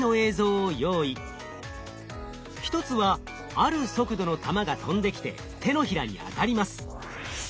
一つはある速度の球が飛んできて手のひらに当たります。